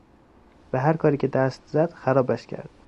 به هر کاری که دست زد خرابش کرد.